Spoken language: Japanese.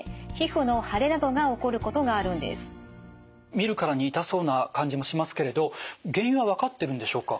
見るからに痛そうな感じもしますけれど原因は分かってるんでしょうか。